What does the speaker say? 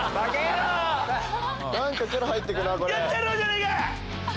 やってやろうじゃねえか！